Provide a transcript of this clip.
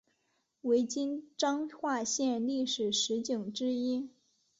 为今彰化县历史十景之一。